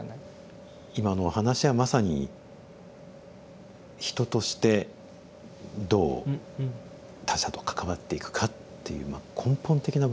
今のお話はまさに人としてどう他者と関わっていくかっていう根本的な部分ですよね。